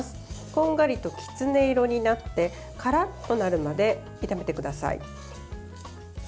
こんがりとキツネ色になってカラッとなるまで炒めてください。